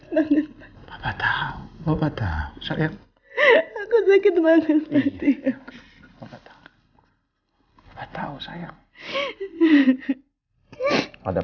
nanti aku sakit banget pak